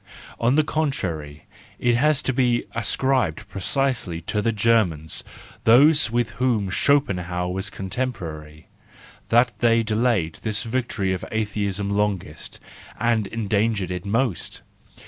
On the contrary, it has to be ascribed precisely to the Germans—those with whom Schopenhauer was contemporary,—that they de¬ layed this victory of atheism longest, and en¬ dangered it most.